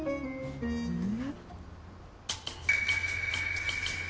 うん。